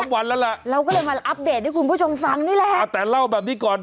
วันแล้วล่ะเราก็เลยมาอัปเดตให้คุณผู้ชมฟังนี่แหละอ่าแต่เล่าแบบนี้ก่อน